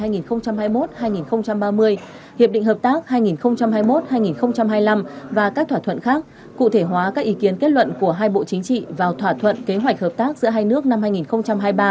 giai đoạn hai nghìn hai mươi một hai nghìn ba mươi hiệp định hợp tác hai nghìn hai mươi một hai nghìn hai mươi năm và các thỏa thuận khác cụ thể hóa các ý kiến kết luận của hai bộ chính trị vào thỏa thuận kế hoạch hợp tác giữa hai nước năm hai nghìn hai mươi ba